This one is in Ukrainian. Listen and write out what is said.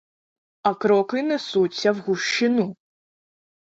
А кроки несуться в гущину.